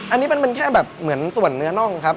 อันนี้มันแค่แบบเหมือนส่วนเนื้อน่องครับ